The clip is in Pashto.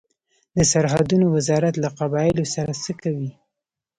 د سرحدونو وزارت له قبایلو سره څه کوي؟